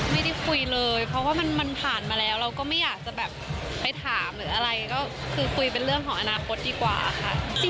ไม่ได้คุยเลยเพราะว่ามันผ่านมาแล้วเราก็ไม่อยากจะแบบไปถามหรืออะไรก็คือคุยเป็นเรื่องของอนาคตดีกว่าค่ะ